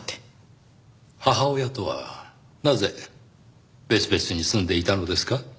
母親とはなぜ別々に住んでいたのですか？